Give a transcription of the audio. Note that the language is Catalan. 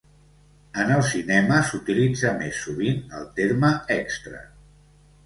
En el cinema, s'utilitza més sovint el terme extra.